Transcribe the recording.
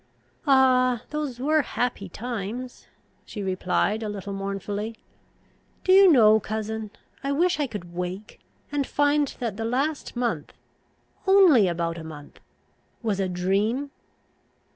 "Ah, those were happy times!" she replied, a little mournfully. "Do you know, cousin, I wish I could wake, and find that the last month only about a month was a dream?"